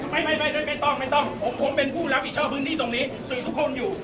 ไม่ไม่ต้องไม่ต้องผมเป็นผู้รับผิดชอบพื้นที่ตรงนี้สื่อทุกคนอยู่